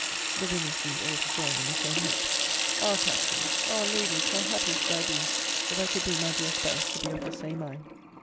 The women seemed all to join in the same hope. Ah, Captain! Ah, Ladies! how happy should I be, if I could bring my dear spouse to be of the same mind!